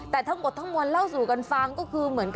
แต่ทั้งหมดทั้งมวลเล่าสู่กันฟังก็คือ